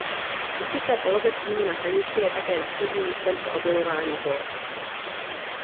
Díky své poloze přímo na hranici je také výchozím místem pro objevování Polska.